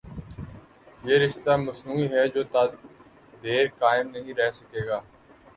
یہ رشتہ مصنوعی ہے جو تا دیر قائم نہیں رہ سکے گا۔